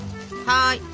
はい。